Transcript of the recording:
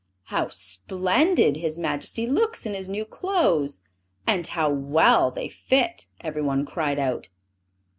"How splendid his Majesty looks in his new clothes, and how well they fit!" everyone cried out.